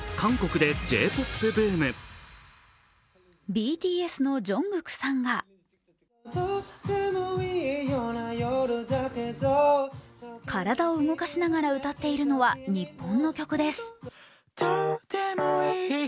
ＢＴＳのＪＵＮＧＫＯＯＫさんが体を動かしながら歌っているのは日本の曲です。